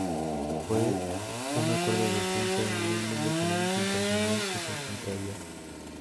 Fue un acuerdo de defensa, en un mundo económico internacional que se contraía".